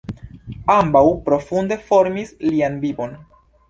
Ambaŭ profunde formis lian vivon.